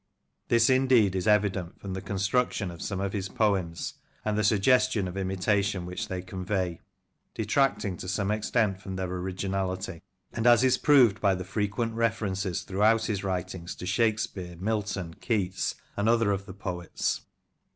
This, indeed, is evident from the construction of some of his poems, and the sugges tion of imitation which they convey, detracting to some extent from their originality; and as is proved by the frequent references throughout his writings to Shakspere, Milton, Keats, and other of the poets.